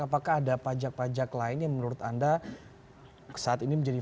apakah ada pajak pajak lain yang menurut anda saat ini menjadi fokus dan yang bisa diperhatikan